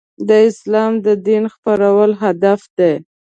د اسلام د دین خپرول هدف دی.